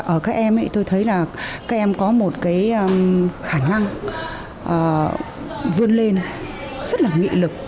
ở các em tôi thấy là các em có một cái khả năng vươn lên rất là nghị lực